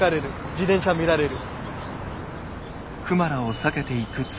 自転車見られる。